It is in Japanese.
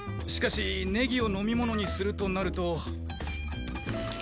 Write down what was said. しかしネギを飲み物にするとなると。